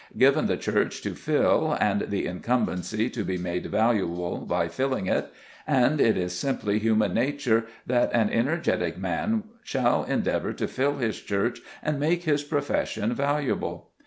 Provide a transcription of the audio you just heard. Given the church to fill, and the incumbency to be made valuable by filling it, and it is simply human nature that an energetic man shall endeavour to fill his church and make his profession valuable.